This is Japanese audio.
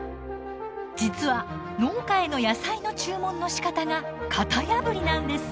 実は農家への野菜の注文のしかたが型破りなんです。